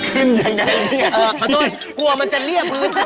ขึ้นอย่างนี้